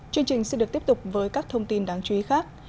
chương trình sẽ được tiếp tục với các thông tin đáng chú ý khác